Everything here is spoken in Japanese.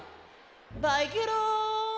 バイケロン。